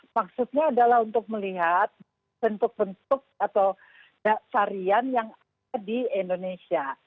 maksudnya adalah untuk melihat bentuk bentuk atau varian yang ada di indonesia